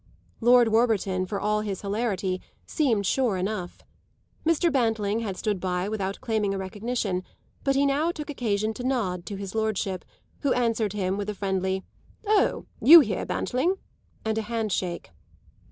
Lord Warburton, for all his hilarity, seemed sure enough. Mr. Bantling had stood by without claiming a recognition, but he now took occasion to nod to his lordship, who answered him with a friendly "Oh, you here, Bantling?" and a hand shake.